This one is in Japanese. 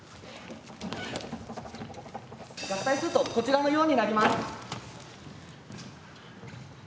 合体するとこちらのようになります。